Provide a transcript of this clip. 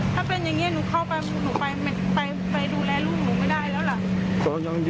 ถ้าเป็นอย่างนี้หนูเข้าไปหนูไปดูแลลูกหนูไม่ได้แล้วล่ะ